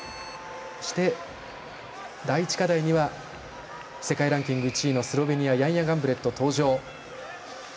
そして、第１課題には世界ランキング１位のスロベニアヤンヤ・ガンブレット、登場。